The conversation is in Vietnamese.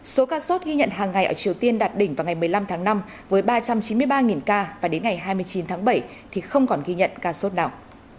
số ca sốt ghi nhận hàng ngày ở triều tiên đạt đỉnh vào ngày một mươi năm tháng năm với ba trăm chín mươi ba ca và đến ngày hai mươi chín tháng bảy thì không còn ghi nhận ca sốt nào